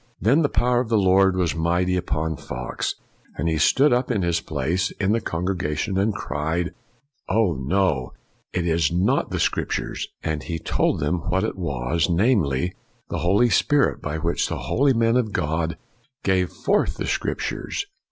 Then the power of the Lord was mighty upon Fox, and he stood up in his place in the con FOX 289 gregation and cried, " Oh no, it is not the Scriptures," and he told them what it was, namely, the Holy Spirit by which the Holy Men of God gave forth the Scrip tures.''